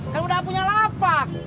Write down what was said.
kan udah punya lapak